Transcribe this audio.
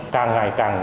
càng ngày càng